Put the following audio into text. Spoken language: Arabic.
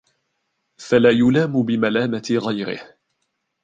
فَلَا يُلَامُ بِمَلَامَةِ غَيْرِهِ